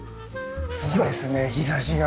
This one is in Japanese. そうですね日差しが。